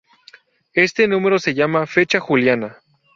Este número se llama fecha juliana.